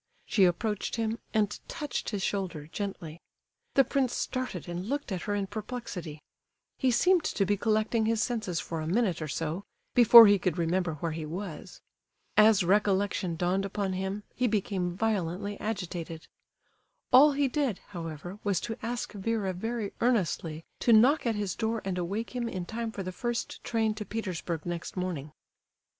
She approached him, and touched his shoulder gently. The prince started and looked at her in perplexity; he seemed to be collecting his senses for a minute or so, before he could remember where he was. As recollection dawned upon him, he became violently agitated. All he did, however, was to ask Vera very earnestly to knock at his door and awake him in time for the first train to Petersburg next morning.